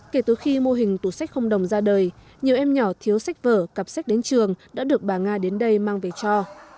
kể từ khi mô hình tủ sách không đồng ra đời nhiều em nhỏ thiếu sách vở cặp sách đến trường đã được bà nga đến đây mang về cho